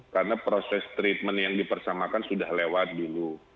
karena proses treatment yang dipersamakan sudah lewat dulu